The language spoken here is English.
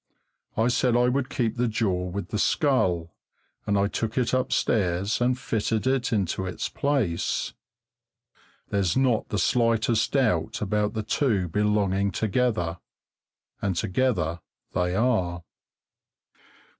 I said I would keep the jaw with the skull, and I took it upstairs and fitted it into its place. There's not the slightest doubt about the two belonging together, and together they are.